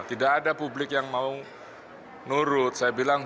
tidak ada publik yang mau nurut saya bilang